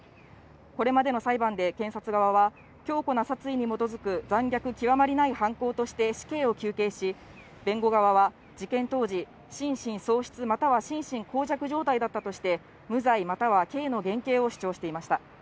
これまでの裁判で検察側は、強固な殺意に基づく残虐極まりない犯行として死刑を求刑し、弁護側は事件当時、心神喪失または心神耗弱状態だったとして、無罪、または刑の減刑を主張していました。